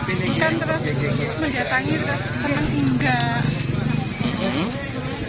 bukan terus menjatangi terus sering tinggal